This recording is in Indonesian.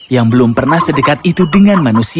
yang belum pernah sedekat itu dengan manusia